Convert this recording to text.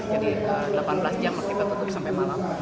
jadi delapan belas jam kita tutup sampai malam